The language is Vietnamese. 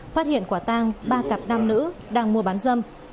phát hiện quả tang ba cặp nam nữ đang mua bán dâm